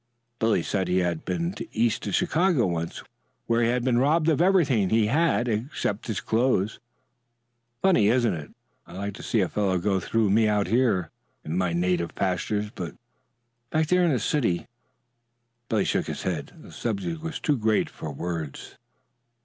Billy said he had been East to Chicago once, where he had been robbed of everything he had on except his clothes. "Funny, isn't it? I'd like to see a fellow go through me out here in my native pastures. But back there in the city " Billy shook his head. The subject was too great for words.